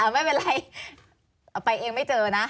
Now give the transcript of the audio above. ไม่เป็นไรไปเองไม่เจอนะ